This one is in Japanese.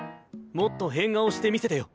もっと変顔してみせてよ。